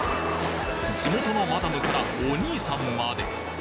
地元のマダムからお兄さんまで！